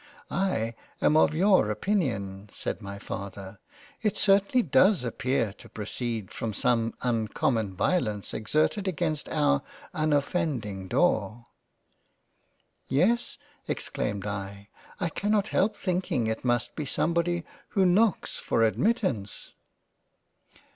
" I am of your opinion; (said my Father) it certainly does appear to proceed from some uncommon violence exerted against our unoffending door." " Yes (exclaimed I) I cannot help thinking it must be somebody who knocks for admittance."